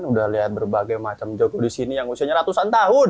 udah lihat berbagai macam joko di sini yang usianya ratusan tahun